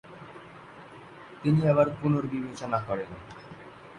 তিনি আবার পুনর্বিবেচনা করেন।